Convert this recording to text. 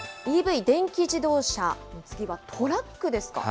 ＥＶ・電気自動車、次はトラックですか？